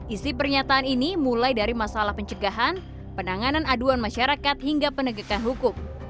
isi pernyataan ini mulai dari masalah pencegahan penanganan aduan masyarakat hingga penegakan hukum